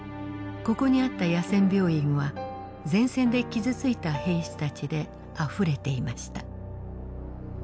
ここにあった野戦病院は前線で傷ついた兵士たちであふれていました。